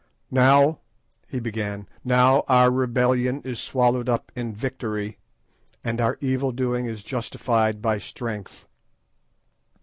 "Now," he began, "now our rebellion is swallowed up in victory, and our evil doing is justified by strength.